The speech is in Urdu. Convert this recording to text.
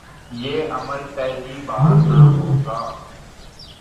یہ عمل پہلی بار نہ ہو گا۔